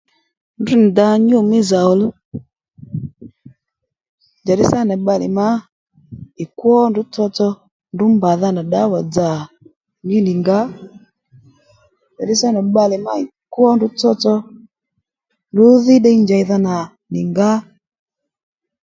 Ndrǔ nì dǎ nyû mí zòw òluw njàddí sâ nà bbalè má ì kwó ndrǔ tsotso ndrǔ mbàdha nà ddǎwà-dzà ddí nì ngǎ njàddí sâ nà bbalè má ì kwó ndrǔ tsotso ndrǔ dhí ddiy njèydha nà nì ngǎ